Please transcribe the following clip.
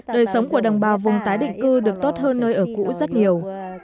đời sống của đồng bào vùng tái định cư được tốt hơn nơi ở cũ rất nhiều